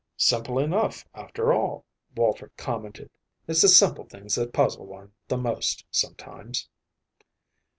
"Simple enough, after all," Walter commented. "It's the simple things that puzzle one the most sometimes."